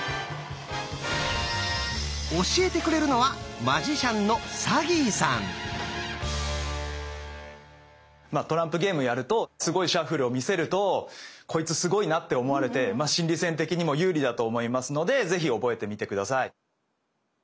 教えてくれるのはトランプゲームやるとすごいシャッフルを見せるとコイツすごいなって思われて心理戦的にも有利だと思いますので是非覚えてみて下さい。